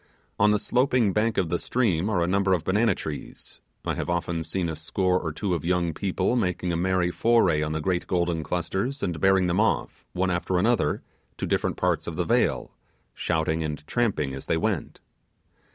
On the sloping bank of the stream are a number of banana trees I have often seen a score or two of young people making a merry foray on the great golden clusters, and bearing them off, one after another, to different parts of the vale, shouting and trampling as they went.